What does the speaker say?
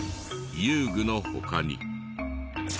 遊具の他に。